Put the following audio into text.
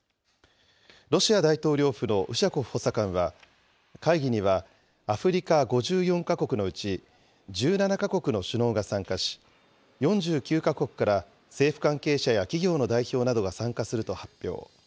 ロシア大統領府のウシャコフ補佐官は会議には、アフリカ５４か国のうち、１７か国の首脳が参加し、４９か国から政府関係者や企業の代表などが参加すると発表。